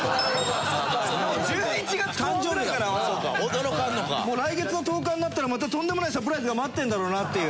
１１月後半ぐらいからは来月の１０日になったらまたとんでもないサプライズが待ってるんだろうなっていう。